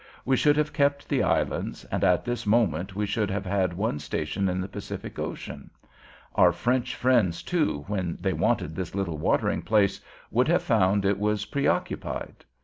We should have kept the islands, and at this moment we should have one station in the Pacific Ocean. Our French friends, too, when they wanted this little watering place, would have found it was preoccupied.